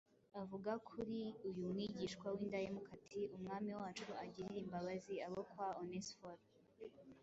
avuga kuri uyu mwigishwa w’indahemuka ati: “Umwami wacu agirire imbabazi abo kwa Onesiforo,